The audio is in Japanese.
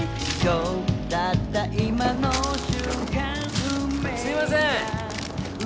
・すいません。